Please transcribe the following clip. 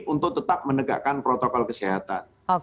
untuk tetap menegakkan protokol kesehatan